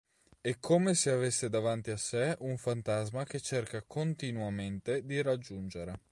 È come se avesse davanti a sé un fantasma che cerca continuamente di raggiungere.